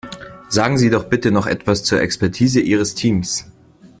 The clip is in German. Sagen Sie doch bitte noch etwas zur Expertise Ihres Teams.